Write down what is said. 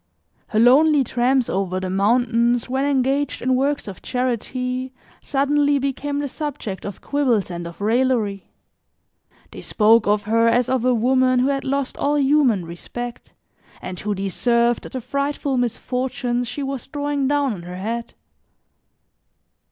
Her lonely tramps over the mountains, when engaged in works of charity, suddenly became the subject of quibbles and of raillery. They spoke of her as of a woman who had lost all human respect and who deserved the frightful misfortunes she was drawing down on her head.